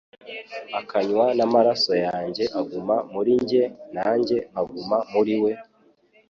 akanywa n'amaraso yanjye aguma muri njye, nanjye nkaguma muri -we.